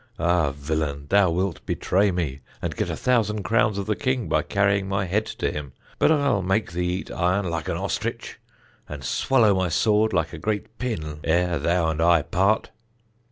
Ah, villain, thou wilt betray me, and get a thousand crowns of the king by carrying my head to him; but I'll make thee eat iron like an ostrich, and swallow my sword like a great pin, ere thou and I part.